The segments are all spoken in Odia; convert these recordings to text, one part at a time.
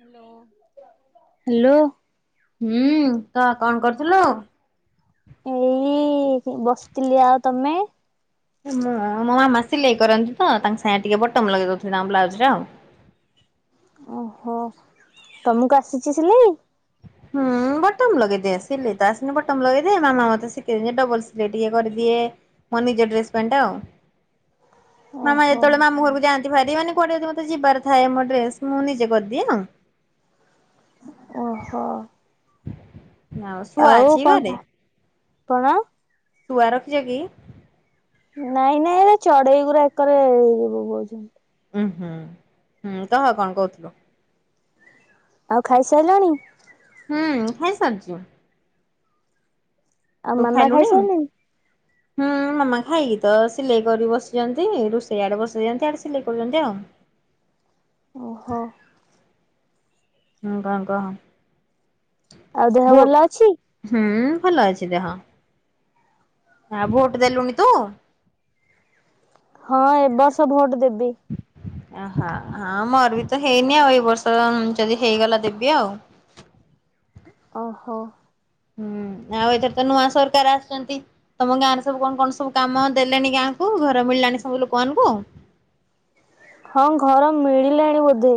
ହାଲୋ ହାଲୋ ହୁଁ କହ କଣ କରୁଥିଲୁ? ଏଇ ବସିଥିଲି ଆଉ ତମେ। ମୋ ମାମା ସିଲେଇ କରନ୍ତି ତ ତାଙ୍କ ସାଙ୍ଗରେ ଟିକେ ବଟମ ଲଗେଇ ଦେଉଥିଲେ ତାଙ୍କ ବଲାଉଜରେ ଆଉ। ଓହୋ ତମକୁ ଆସିଚି ସିଲେଇ? ହୁଁ [inaudible] ବଟମ ଲଗେଇଦିଏ ସିଲେଇ ତ ଆସିନି ବଟମ ଲଗେଇଦିଏ ମାମା ମତେ ଶିଖେଇଦିଏ ଡବଲ ସିଲେଇ ଟିକେ କରିଦିଏ। ମୋ ନିଜ ଡ୍ରେସ୍ ପେଣ୍ଟ ଆଉ। ମାମା ଓହୋ। ଯେତେବେଳେ ମାମୁଘରକୁ ଯାଆନ୍ତି ଭାରି ମାନେ କୁଆଡେ ଯଦି ମତେ ଯିବାର ଥାଏ ମୋ ଡ୍ରେସ ମୁଁ ନିଜେ କରିଦିଏ ଆଉ। ଓହୋ। ଶୁଆ ଆଉ ଅଛି ଘରେ କଣ କଣ। ଶୁଆ ରଖିଜ କି? ନାଇଁ ନାଇଁ ଏରା ଚଡେଇ ଗୁରା ଏକରେ ବୋବଉଚନ୍ତି। ଉଁ ହୁଁ ହୁଁ କହ କଣ କହୁଥିଲୁ? ଆଉ ଖାଇସାଇଲଣି। ହୁଁ ଖାଇ ସାରଚି। ଆଉ ତୁ ମାମା ଖାଇଲୁଣି। ଖାଇସାରିଲେଣି? ହୁଁ ମାମା ଖାଇକି ତ ସିଲେଇ କରି ବସିଚନ୍ତି ରୁଷେଇ ଆଡେ ବସେଇଚନ୍ତି ଆଡେ ସିଲେଇ କରୁଚନ୍ତି ଆଉ। ଓହୋ। ହୁଁ କଣ କହ? ଆଉ ଦେହ ଭୋଟ ଭଲ ଅଛି? ହୁଁ ଭଲ ଅଛି ଦେହ। ଭୋଟ ଦେଲୁଣି ତୁ? ହଁ ଏ ବର୍ଷ ଭୋଟ ଦେବି। ଆହା ହଁ ମୋର ବି ତ ହେଇନି ଆଉ ଏଇ ବର୍ଷ ଯଦି ହେଇଗଲା ଦେବି ଆଉ। ଓହୋ। ଆଉ ଏଥର ତ ନୂଆ ସରକାର ଆସଚନ୍ତି। ତମ ଗାଁ ରେ ସବୁ କଣ କଣ ସବୁ କାମ ଦେଲେଣି ଗାଁ କୁ ଘର ମିଳିଲାଣି ସବୁ ଲୁକମାନଙ୍କୁ? ହଁ ଘର ମିଳିଲାଣି ବୋଧେ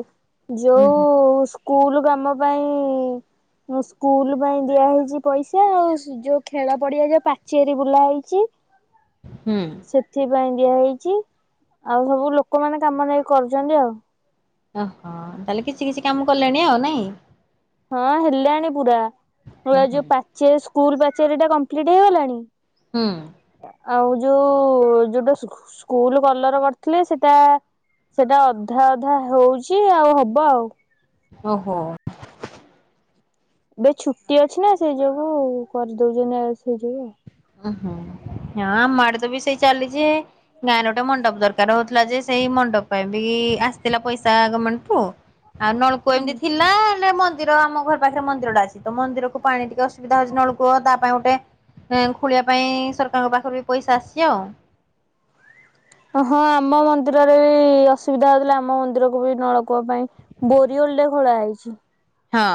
ହୁଁ ଯୋଉ। ହୁଁ। ସ୍କୁଲ କାମ ପାଇଁ ସ୍କୁଲ ପାଇଁ ଦିଆହେଇଚି ପଇସା ଆଉ। ଯୋଉ ଖେଳ ପଡିଆ ଯୋଉ ପାଚେରି ବୁଲା ହେଇଚି। ହୁଁ। ସେଥିପାଇଁ ଦିଆ ହେଇଚି ଆଉ ସବୁ ଲୋକମାନେ କାମ ନେଇ କରୁଚନ୍ତି ଆଉ। ଓହୋ ତାହାଲେ କିଛି କିଛି କାମ କଲେଣି ଆଉ ନାଇଁ। ହଁ ହେଲାଣି ପୁରା ହୁଁ ପୁରା ହୁଁ ଯୋଉ ପାଚେରି ସ୍କୁଲ ପାଚେରିଟା କମ୍ପ୍ଲିଟ ହେଇଗଲାଣି। ହୁଁ। ଆଉ ଯୋଉ ଯୋଉଟା ସ୍କୁଲ କଲର କରିଥିଲେ ସେଟା। ସେଟା ଅଧା ଅଧା ହଉଚି ଆଉ ହବ ଆଉ। ଓହୋ। ଏବେ ଛୁଟି ଅଛି ନା ସେଇ ଯୋଗୁ କରିଦଉଚନ୍ତି [unintelligible] ସେଇ ଯୋଗୁ ଆଉ। ଉଁ ହୁଁ ହଁ ଆମ ଆଡେ ବି ତ ସେଇ ଚାଲିଚି। ଗାଁରେ ଗୋଟେ ମଣ୍ଡପ ଦରକାର ହଉଥିଲା ଯେ ସେଇ ମଣ୍ଡପ ପାଇଁ ବି ଆସିଥିଲା ପଇସା ଗାମେଣ୍ଟ ପୁ। ଆଉ ନଳକୂଅ ଏମିତି ଥିଲା। ସେ ମନ୍ଦିର ଆମ ଘର ପାଖରେ ମନ୍ଦିରଟା ଅଛି ତ ମନ୍ଦିରକୁ ପାଣି ଟିକେ ଆସୁବିଧା ହଉଚି ତ ନଳକୂଅ ତା ପାଇଁ ଗୋଟେ। ଗାଁ ଖୁଳିବା ପାଇଁ ସରକାରଙ୍କ ପାଖରୁ ବି ପଇସା ଆସିଚି ଆଉ। ଅହଁ ଆମ ମନ୍ଦିରରେ ବି ଅସୁବିଧା ହଉଥିଲା ଆମ ମନ୍ଦିରକୁ ବି ନଳକୂଅ ପାଇଁ। ବୋରିଓଲ ଟେ ଖୋଳା ହେଇଚି। ହଁ।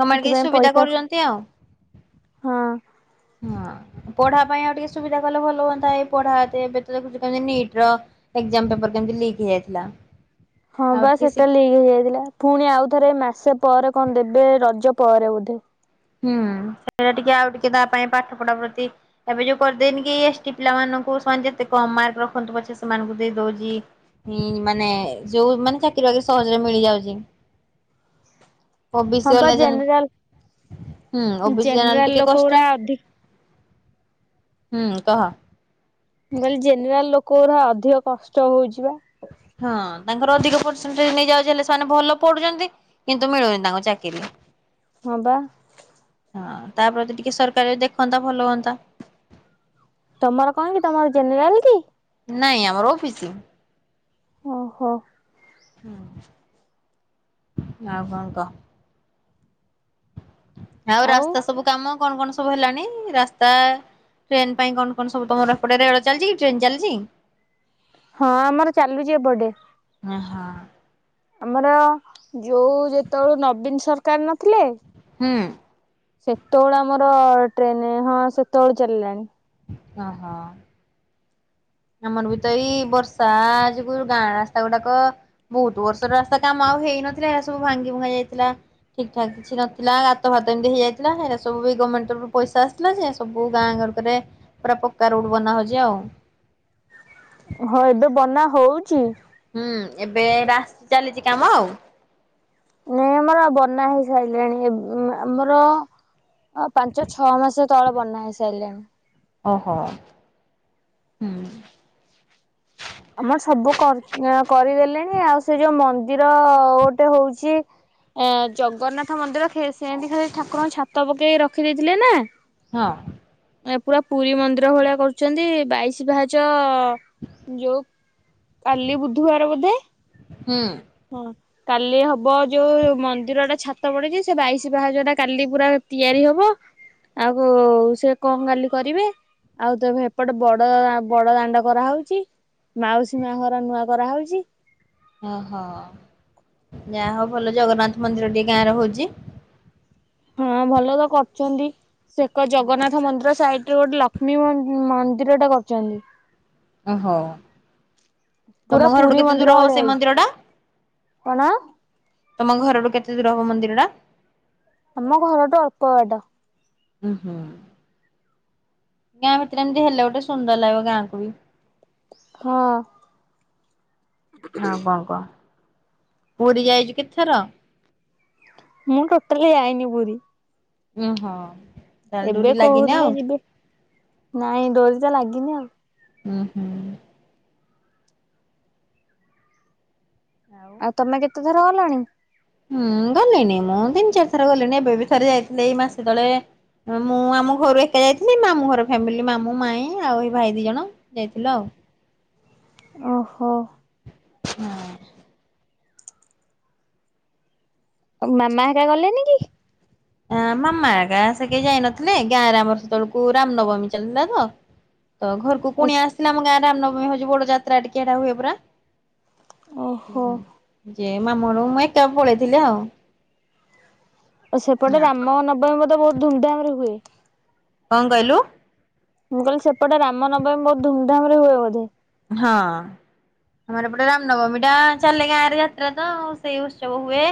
ଗମେଣ୍ଟ କିଛି ସେଥିପାଇଁ ସୁବିଧା ପଇସା କରୁଛନ୍ତି ଆଉ ହଁ। ହଁ ପଢା ପାଇଁ ଆଉ ଟିକେ ସୁବିଧା କଲେ ଭଲ ହୁଅନ୍ତା। ଏଇ ପଢା ଏ ଏବେ ତ ଦେଖୁଚନ୍ତି ନିଟ ର ଏକଜାମ ପେପର କେମତି ଲିକ୍ ହେଇଯାଇଥିଲା? ହଁ ଆଉ ବା ଟିକେ ସେଟା ଶିଖି ଲିକ୍ ହେଇଯାଇଥିଲା। ପୁଣି ଆଉଥରେ ମାସେ ପରେ କଣ ଦେବେ, ରଜ ପରେ ବୋଧେ। ହୁଁ ସେଇଟା ଟିକେ ଆଉ ଟିକେ ତା ପାଇଁ ପାଠ ପଢା ପ୍ରତି ଏବେ ଯୋଉ କରିଦେଇନି କି ଏସ୍ ଟି ପିଲାମାନାନଙ୍କୁ ସେମାନେ ଯେତେ କମ ମାର୍କ ରଖନ୍ତୁ ପଛେ ସେମାନଙ୍କୁ ଦେଇ ଦଉଚି। ହୁଁ ମାନେ ଯୋଉ ମାନେ ଚାକିରି ବାକିରି ସହଜରେ ମିଳିଯାଉଚି। ଓ ବି ସ ହଁ ବା ବାଲା ଜେନ୍ ଜେନେରାଲ ହୁଁ ଓ ବି ସି ଯାହେଲେ ଜେନେରାଲ ଟିକେ ଲୋକ ଗୁରା କଷ୍ଟ। ଅଧିକ ହୁଁ କହ। ମୁଁ କହିଲି ଜେନେରାଲ ଲୋକ ଗୁଡା ଅଧିକ କଷ୍ଟ ହଉଚି ବା। ହଁ ତାଙ୍କର ଅଧିକ ପରସେଣ୍ଟ ନେଇଯାଉଚି ବୋଲି ସେମାନେ ଭଲ ପଢୁଚନ୍ତି। କିନ୍ତୁ ମିଳୁନି ତାଙ୍କୁ ଚାକିରି। ହଁ ବା। ହଁ ତାପତି ଟିକେ ସରକାର ବି ଦେଖନ୍ତା ଭଲ ହୁଅନ୍ତା। ତମର କଣ କି? ତମର ଜେନେରାଲ କି? ନାଇଁ ଆମର ଅଫିସ। ଓହୋ। ହୁଁ ଆଉ କଣ କହ? ଆଉ ରାସ୍ତା ସବୁ କାମ କଣ କଣ ସବୁ ହେଲାଣି? ରାସ୍ତା ଟ୍ରେନ ପାଇଁ କଣ କଣ ସବୁ ତମର ଏପଟେ ଏରିଆ ରେ ଚାଲିଚି କି ଟ୍ରେନ ଚାଲିଚି? ହଁ ଆମର ଚାଲୁଚି ଏ ପଟେ। ଓ ହଁ। ଆମର ଯଉ ଯେତେବେଳୁ ନବୀନ ସରକାର ନଥିଲେ ହୁଁ। ସେତେବେଳୁ ଆମର ଟ୍ରେନ ହଁ ସେତେବେଳୁ ଚାଲିଲାଣି। ହ ହଁ। ଆମର ବି ତ ଏଇ ବର୍ଷା ଯୋଗୁଁ ଗାଁ ରାସ୍ତା ଗୁଡାକ ବହୁତ ବର୍ଷର ରାସ୍ତା କାମ ଆଉ ହେଇନଥିଲା। ଏ ସବୁ ଭାଙ୍ଗି ଭୂଙ୍ଗା ଯାଇଥିଲା। ଠିକ ଠାକ୍ କିଛି ନ ଥିଲା। ଗାତ ଫାତ ଏମିତି ହେଇଯାଇଥିଲା। ଏଇଟା ସବୁ ବି ଗମେଣ୍ଟରୁ ବି ପଇସା ଆସୀ ଥିଲା ଯେ ସବୁ ଗାଁ ଗରରେ ପୁରା ପକ୍କା ରଡ ବନା ହଉଚି ଆଉ। ଓହୋ ଏବେ ବନା ହଉଚି। ହୁଁ ଏବେ ରାସ ଚାଲିଚି କାମ ଆଉ। ନାଇଁ ଆମର ଆଉ ବନା ହେଇ ସାରିଲାଣି। ଏ ଏବ୍ ଆମର ହଁ ପାଞ୍ଚ ଛଅ ମାସ ତଳ ବନା ହେଇସାରିଲାଣି। ଓହୋ। ହୁଁ ଆମର ସବୁ କର କରିଦେଲେଣି। ଆଉ ସେ ଯୋଉ ମନ୍ଦିର ଗୋଟେ ହଉଚି ଆ ଜଗନ୍ନାଥ ମନ୍ଦିର ସେ ସେମିତି ଖାଲି ଠାକୁରଙ୍କୁ ଛାତ ପକେଇ ରଖିଦେଇଥିଲେ ନା। ହଁ। ଏ ପୁରା ପୁରୀ ମନ୍ଦିର ଭଳିଆ କରୁଚନ୍ତି, ବାଇଶି ପାହାଚ ଯୋଉ କାଲି ବୁଧବାର ବୋଧେ। ହୁଁ। ହଁ। କାଲି ହବ ଯୋଉ ମନ୍ଦିର ଟା ଛାତ ପଡିଚି, ସେ ବାଇଶ ପାହାଚ ଟା କାଲି ପୁରା ତିଆରି ହବ। ଆଉ ସେ କଣ କାଲି କରିବେ। ଆଉ ତ ଏପଟେ ବଡ ବଡ ଦାଣ୍ଡ କରାହଉଚି। ମାଉସୀ ମା ଘର ନୂଆ କରାହଉଚି। ଓହୋ ଯାହା ହଉ ଭଲ ଜଗନ୍ନାଥ ମନ୍ଦିର ଟି ଗାଁରେ ହଉଚି। ହଁ ଭଲ ତ କରୁଚନ୍ତି ସେ ଏକ ଜଗନ୍ନା ଥ ମନ୍ଦିର ସାଇଟରେ ଗୋଟେ ଲକ୍ଷ୍ମୀ ମ ମନ୍ଦିରଟା କରୁଚନ୍ତି। ଓହୋ ପୁରା ତମ ପୁରୀ ଘରଠୁ କେତେ ମନ୍ଦିର ଦୂର ହବ ଭଳିଆ ସେ ହେଇଛି ମନ୍ଦିରଟା? କଣ? ତମ ଘରଠୁ କେତେ ଦୂର ହବ ମନ୍ଦିରଟା? ଆମ ଘରଠୁ ଅଳ୍ପ ବାଟ। ଉଁହୁଁ ଗାଁ ଭିତରେ ଏମତି ହେଲେ ଗୋଟେ ସୁନ୍ଦର ଲାଗିବ ଗାଁକୁ ବି। ହ। ଆଉ କଣ କହ ପୁରୀ ଯାଇଚୁ କେତଥର? ମୁଁ ଟୋଟାଲି ଯାଇନି ପୁରୀ। ଉଁ ହ। ଏବେ କହୁଥିଲେ ଯିବେ ନାଇଁ ଡୋରି ତ ଲାଗିନି ଆଉ। ହୁଁ ହୁଁ। ଆଉ ତମେ କେତେ ଥର ଗଲଣି? ହୁଁ ଗଲିଣିି ମୁଁ ତିନି ଚାରି ଥର ଗଲିଣିି ଏବେ ବି ଥରେ ଯାଇଥିଲି ଏଇ ମାସେ ତଳେ। ଆ ମୁଁ ଆମ ଘରୁ ଏକା ଯାଇଥିଲି ମାମୁଁ ଘର ଫ୍ୟାମିଲି ମାମୁଁ ମାଇଁ ଆଉ ହେ ଭାଇ ଦି ଜଣ। ଯାଇଥିଲୁ ଆଉ। ଓହୋ। ହଁ। ଆଉ ମାମା ହେରିକା ଗଲେନି କି? ଆ ମାମା ହେକା ସେ କେହି ଯାଇନଥିଲେ ଗାଁରେ ଆମର ସେତବଳୁକୁ ରାମ୍ ନବମୀ ଚାଲିଥିଲା ତ। ତ ଘରକୁ କୁଣିଆ ଆସଥିଲେ ଆମ ଗାଁ ରାମ୍ ନବମୀ ହଉଚି ବଡ ଯାତ୍ରା ଟିକେ ହେଟା ହୁଏ ପରା। ଓହୋ ହୁଁ ଯେ ମାମୁଁ ଘରୁକୁ ମୁଁ ଏକା ପଳେଇଥିଲି ଆଉ। ସେପଟେ ହଁ, ରାମ ନବମୀ ମଧ୍ୟ ବହୁତ୍ ଧୁମଧାମ୍ ରେ ହୁଏ? କଣ କହିଲୁ? ମୁଁ କହିଲି ସେପଟେ ରାମନବମୀ ବହୁତ୍ ଧୁମଧାମ୍ ରେ ହୁଏ ବୋଧେ? ହଁ। ଆମର ଏପଟେ ରାମନବମୀ ଟା ଚାଲେ ଗାଁ ରେ ଯାତ୍ରା ତ ସେଇ ଉତ୍ସବ ହୁଏ।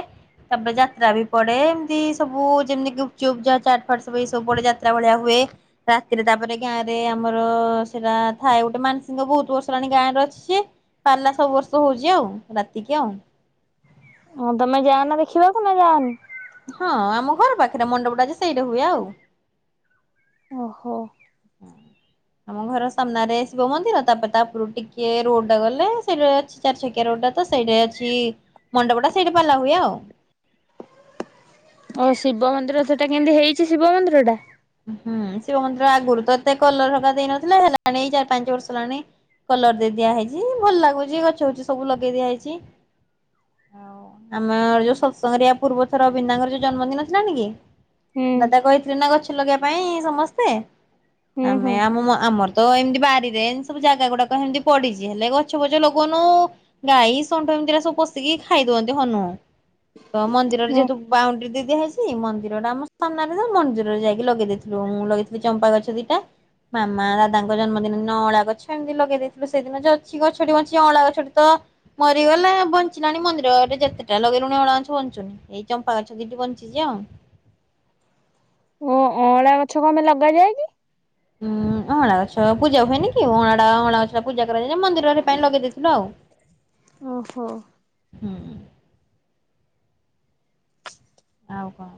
ତାପରେ ଯାତ୍ରା ବି ପଡେ ଏମତି ସବୁ ଯେମିତି ଗୁପ୍ ଚୁପ୍ ଚାଟ ଫାଟ ସବୁ ଏସବୁ ପଡେ ଯାତ୍ରା ଭଳିଆ ହୁଏ। ରାତିରେ ତାପରେ ଗାଁ ରେ ଆମର ସେଟା ଥାଏ ଗୋଟେ ମାନସିଙ୍ଗ ବହୁତ୍ ବର୍ଷ। ହେଲାଣି ଗାଁ ରେ ଅଛି ପାଲା ସବୁ ବର୍ଷ ହଉଛି ଆଉ ରାତିକି ଆଉ। ହଁ ତମେ ଯାଅନା ଦେଖିବାକୁ ନା ଯାଅନି? ହଁ ଆମ ଘର ପାଖେରେ ମଣ୍ଡପଟା ଯେ ସେଇଟେ ହୁଏ ଆଉ। ଓହୋ। [inaudible] ଆମ ଘର ସାମ୍ନାରେ ଶିବ ମନ୍ଦିର ତାପରେ ତା ଉପୁରୁକୁ ଟିକେ ରୋଡ୍ ଟା ଗଲେ ସେଇଟେ ଅଛି। ଚାରିଛକିଆ ରୋଡ୍ ଟା ତ ସେଇଠେ ଅଛି ମଣ୍ଡପଟା ସେଇଠେ ପାଲା ହୁଏ ଆଉ। ଓ ଶିବ ମନ୍ଦିର ସେଟା କେନ୍ତି ହେଇଛି ଶିବ ମନ୍ଦିର ଟା? ହୁଁ ଶିବ ମନ୍ଦିର ଆଗୁରୁ ତ ଏତେ କଲର ହରକା ଦେଇନଥିଲେ ହେଲାଣି ଏଇ ଚାର ପାଞ୍ଚ ବର୍ଷ ହେଲାଣି। କଲର ଦେଇ ଦିଆ ହେଇଛି ଭଲ ଲାଗୁଛି ଗଛ ବୁଛ ସବୁ ଲଗେଇ ଦିଆ ହେଇଛି। ଆଉ ଆମର ଯୋଉ ସତସଙ୍ଗରେ ୟା ପୂର୍ବ ଥର ଭିନ୍ନାଙ୍କର ଯୋଉ ଜନ୍ମଦିନ ଥିଲାନି କି। ହୁଁ ଦାଦା କହିଥିଲେ ନା ଗଛ ଲଗେଇବା ପାଇଁ ସମସ୍ତେ ହୁଁ ହୁଁ ଆମେ ଆମମ ଆମର। ତ ଏମତି ବାରିରେ ଏମତି ସବୁ ଜାଗା ଗୁଡାକ ହେମତି ପଡିଚି ହେଲେ ଗଛ ପଛ ଲଗଉନୁ। ଗାଈ ଷଣ୍ଢ ଏମିତିରା ସବୁ ପଷିକି ଖାଇଦଉଚନ୍ତି ହନୁ। ତ ମନ୍ଦିରରେ ଯେହେତୁ ବାଉଣ୍ଡ୍ରୀ ଦେଇ ଦିଆହେଇଛି ମନ୍ଦିର ଟା ଆମ ସାମ୍ନାରେ ଯେ ମନ୍ଦିରରେ ଯାଇ। ଲଗେଇ ଦେଇଥିଲୁ ମୁଁ ଲଗେଇଥିଲି ଚମ୍ପା ଗଛ ଦିଟା। ମାମା ଦାଦାଙ୍କ ଜନ୍ମଦିନ ଦିନ ଅଁଳା ଗଛ ଏମିତି ଲଗେଇ ଦେଇଥିଲେସେଇଦିନ ଅଛି ଗଛଟି ବଞ୍ଚି ଗଛଟି ଅଁଳା ଗଛଟି ତ ମରିଗଲ ବଞ୍ଚିଲାଣି ମନ୍ଦିର ରେ ଯେତେଟା ଲଗେଇଲୁଣି ଅଁଳା ଗଛ ବଞ୍ଚୁନି। ଏଇ ଚମ୍ପା ଗଛ ଦିଟି ବଞ୍ଚିଛି ଆଉ। ଓ ଅଁଳା ଗଛ କଣ ପାଇଁ ଲଗାଯାଏ କି? ଉଁ ଅଁଳା ଗଛ ପୂଜା ହୁଏନି କି ଅଁଳାଟା ଅଁଳା ଗଛ ଟା ପୂଜା କରାଯାଏ। ମନ୍ଦିରରେ ହେ ପାଇଁ ଲଗେଇ ଦେଇଥିଲୁ ଆଉ। ଓହୋ। ହୁଁ। ଆଉ କହ।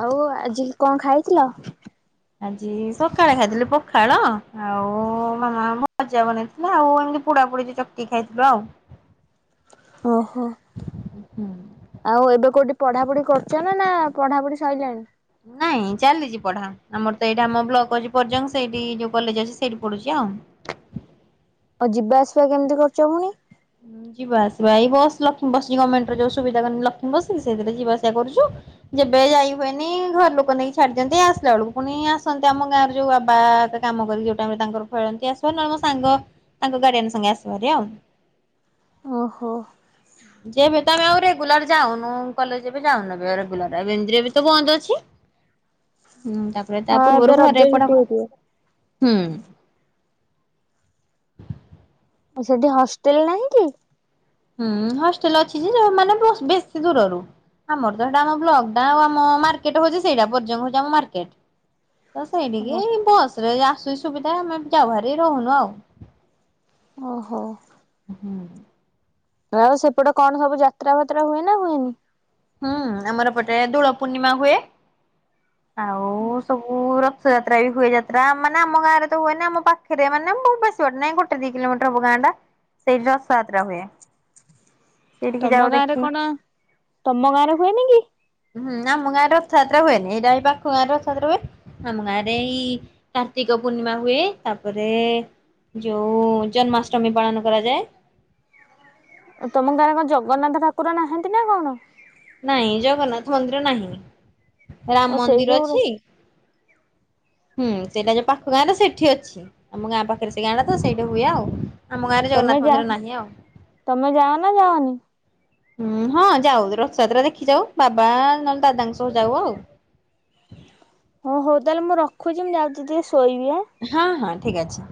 ଆଉ ଆଜି କଣ ଖାଇଥିଲ? ଆଜି ସକାଳେ ଖାଇଥିଲୁ ପଖାଳ ଆଉ ମାମା ଭଜା ବନେଇଥି ନା ଆଉ ଏମିତି ପୋଡା ପୁଡିଛି ଚକଟି ଖାଇଥିଲୁ ଆଉ ଓହୋ। ଆଉ ଏବେ କୋଉଠି ପଢା ପଢି କରୁଛ ନା ନା ପଢାପଢି ସରିଲାଣି? ନାଇଁ ଚାଲିଛି ପଢା ଆମର ତ ଏଇଠା ଆମ ବ୍ଲକ ଅଛି ପର୍ଯ୍ୟଙ୍ଗ ସେଇଠି ଯୋଉ କଲେଜ ଅଛି ସେଇଠି ପଢୁଛି ଆଉ। ଆଉ ଯିବା ଆସିବା କେମିତି କରୁଛ ପୁଣି। ଯିବା ଆସିବା ଏଇ ବସ୍ ଲଷ୍ମୀ ବସ ଗମେଣ୍ଟ ର ଯୋଉ ସୁବିଧା କରୁନିକିଲଷ୍ମୀ ବସ ସେଇଥିରେ ଯିବା ଆସିବା କରୁଛୁ।। ଯେବେ ଯାଇ ହୁଏନି ଘର ଲୋକ ନେଇକି ଛାଡି ଦିନ୍ତି ଆସିଲା ବେଳକୁ ପୁଣି ଆସନ୍ତି ଆମ ଗାଁ ର ଯୋଉ ବାବା କାମ କରିକି ଯୋଉ ଟାଇମ ରେ ତାଙ୍କର ଫେରନ୍ତି ଆସିବ ନହେଲେ ମୋ ସାଙ୍ଗ ତାଙ୍କ ଗାଡିଆନ ସାଙ୍ଗେ ଆସୁ ଭାରି ଆଉ। ଓହୋ। ଯେବେ ତ ଆମେ ଆଉ ରେଗୁଲାର ଯାଉନୁ କଲେଜ ଏବେ ଯାଉନୁରେଗୁଲାର ଏ ଏମିତି ରେ ବି ତ ବନ୍ଦ ଅଛି। [unintelligible] ହୁଁ ତାପରେ ତା ହଁ ଏବେ ପୂର୍ବରୁ ରଜ ଘରେ ଏପଟ ଛୁଟି ହେଇଥିବ। ସେପଟହୁଁ। ଆଉ ସେଠି ହଷ୍ଟେଲ ନାହିଁ କି? ହୁଁ ହଷ୍ଟେଲ ଅଛି ଯୋଉ ମାନେ ବେଶୀ ଦୂରରୁ ଆମର ତ ସେଟା ଆମ ବ୍ଲକ ଟା ଆଉ ଆମ ମାର୍କେଟ ହଉଛି ସେଇଟା ପର୍ଯ୍ୟଙ୍ଗ ହେଉଛି ଆମ ମାରକେଟ୍। ତ ହଁ। ସେଇଠିକି ବସ ରେ ଆସୁଛିି ସୁବିଧା ଆମେ ଯାଉ ଭାରି ରହୁନୁ ଆଉ। ଓହୋ। ହୁଁ। ଆଉ ସେପଟେ କଣ ସବୁ ଯାତ୍ରା ଫାତ୍ରା ହୁଏ ନା ହୁଏନି? ହୁଁ ଆମର ପଟେ ଦୋଳ ପୂର୍ଣ୍ଣିମା ହୁଏ ଆଉ ସବୁ ହୁ ରଥଯାତ୍ରା ବି ହୁଏ ଯାତ୍ରା ମାନେ ଆମ ଗାଁ ରେ ତ ହୁଏନି ଆମ ପାଖରେ ମାନେ ବ [unintelligible] ନାଇଁ ଗୋଟେ ଦି କିଲୋମିଟର ଅଛି ଗାଁଟା ସେଠି ରଥଯାତ୍ରା ହୁଏ? ସେଇଠିକି ଯାଉ ତମ ଗାଁରେ ଦେଖି। କଣ ତମ ଗାଁରେ ହୁଏନି କି। ହୁଁ ଆମଁ ଗାଁ ରେ ରଥ ଯାତ୍ରା ହୁଏନି ଏଇଟା ହେଇ ପାଖ ଗାଁ ରେ ରଥଯାତ୍ରା ହୁଏ। ଆମ ଗାଁ ରେ ଏଇ କାର୍ତ୍ତିକ ପୂର୍ଣ୍ଣିମା ହୁଏ ତାପରେ। ଯଉଁ ଜନ୍ମାଷ୍ଟମୀ ପାଳନ କରାଯାଏ। ତମ ଗାଁ ରେ କଣ ଜଗନ୍ନାଥ ଠାକୁର ନାହାଁନ୍ତି ନା କଣ? ନାହିଁ ଜଗନ୍ନାଥ ମନ୍ଦିର ନାହିଁ ଓ ରାମ ସେଇ ମନ୍ଦିର ଅଛି। [inaudible] ହୁଁ ସେଇଟା ଯୋଉ ପାଖ ଗାଁଟା ସେଇଠି ଅଛି ଆମ ଗାଁ ପାଖରେ ସେଇ ଗାଁ ଟା ତ ସେଇଠି ହୁଏ ଆଉ। ଆମ ଗାଁରେ ତମେ ଜଗନ୍ନାଥ ଯା ମନ୍ଦିର ନାହିଁ ଆଉ। ତମେ ଯାଅ ନା ଯାଅନି? ହୁଁ ହଁ ଯାଉ ରଥଯାତ୍ରା ଦେଖି ଯାଉ ବାବା ନହେଲେ ଦାଦାଙ୍କ ସହ ଯାଉ ଆଉ। ହଉ ହଉ ତାହେଲେ ମୁଁ ରଖୁଛି ମୁଁ ଯାଉଛିି ଟିକେ ଶୋଇବି ଆଁ। ହଁ ହଁ ଠିକ୍ ଅଛି।